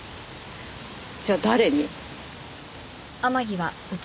じゃあ誰に？